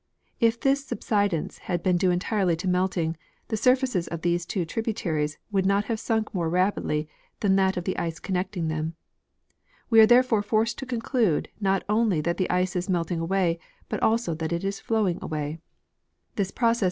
If this subsidence had been due entirely to melting, the surfaces of these two tributaries woiild not have sunk more rapidly than that of the ice connecting them. We are therefore forced to conclude not only that the ice is melt ing away, but also that it is flowing away. This process has *Ice Age in North America, 18S9, pp. 51